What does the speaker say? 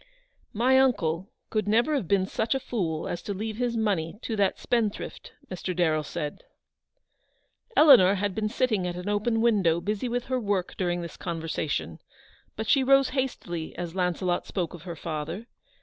" My uncle could never have been such a fool as to leave his money to that spendthrift,"' Mr. Darrell said. 304 Eleanor had been sitting at an open window busy with her work during this conversation ; but she rose hastily as Launcelot spoke of her father.